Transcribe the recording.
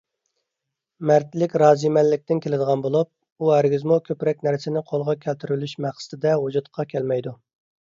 مەردلىك رازىمەنلىكتىن كېلىدىغان بولۇپ، ئۇ ھەرگىزمۇ كۆپرەك نەرسىنى قولغا كەلتۈرۈۋېلىش مەقسىتىدە ۋۇجۇدقا كەلمەيدۇ.